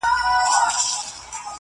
زه چي ګورمه موږ هم یو ځان وهلي!